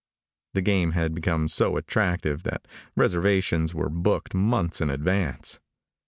The game had become so attractive that reservations were booked months in advance.